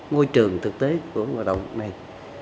môi trường thực tế của hoạt động này